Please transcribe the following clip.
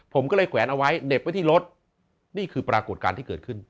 ผมก็เลยแขวนเอาไว้เหน็บไว้ที่รถนี่คือปรากฏการณ์ที่เกิดขึ้น